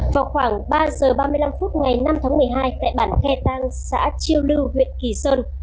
vào khoảng ba giờ ba mươi năm phút ngày năm tháng một mươi hai tại bản khe tang xã chiêu lưu huyện kỳ sơn